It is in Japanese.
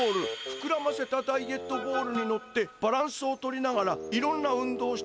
ふくらませたダイエットボールにのってバランスをとりながらいろんな運動をしてください」。